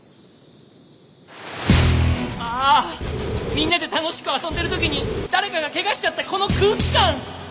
みんなで楽しく遊んでる時に誰かがケガしちゃったこの空気感！